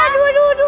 aduh aduh aduh